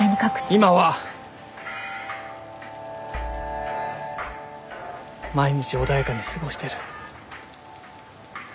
今は毎日穏やかに過ごしてる。